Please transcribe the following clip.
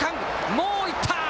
もう行った。